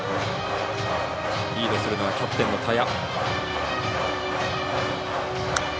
リードするのはキャプテンの田屋。